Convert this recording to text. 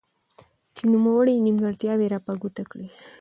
چې نوموړي نيمګړتياوي را په ګوته کړي.